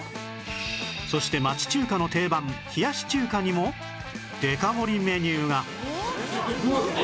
そして町中華の定番冷やし中華にもデカ盛りメニューが